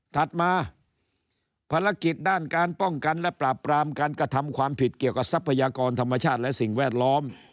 ถัดมาภารกิจด้านการป้องกันและปราบปรามการกระทำความผิดเกี่ยวกับทรัพยากรธรรมชาติและสิ่งแวดล้อม